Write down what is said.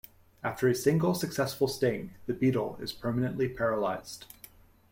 After a single successful sting, the beetle is permanently paralyzed.